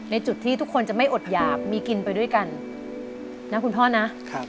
ในจุดที่ทุกคนจะไม่อดหยากมีกินไปด้วยกันนะคุณพ่อนะ